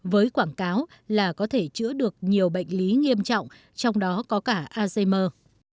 với quảng cáo là có thể chữa được nhiều bệnh lý nghiêm trọng trong đó có cả alzheimer